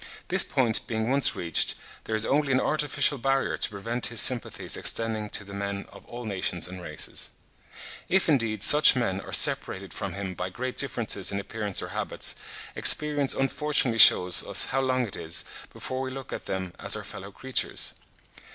This point being once reached, there is only an artificial barrier to prevent his sympathies extending to the men of all nations and races. If, indeed, such men are separated from him by great differences in appearance or habits, experience unfortunately shews us how long it is, before we look at them as our fellow creatures.